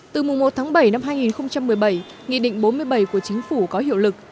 từ mùa một tháng bảy năm hai nghìn một mươi bảy nghị định bốn mươi bảy của chính phủ có hiệu lực